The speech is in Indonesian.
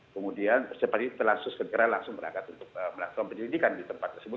kemudian setelah ini telah seseketara langsung berangkat untuk melakukan penyelidikan di tempat tersebut